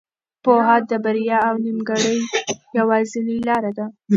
پوهه د بریا او نېکمرغۍ یوازینۍ لاره ده.